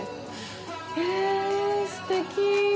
へえ、すてき。